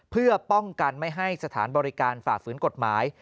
เพื่อป้องกันไม่ให้สถานบริการฝ่าฝืนกฎหมาย